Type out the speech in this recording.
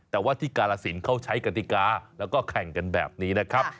แต่ว่าที่กาลสินเขาใช้กติกาแล้วก็แข่งกันแบบนี้นะครับ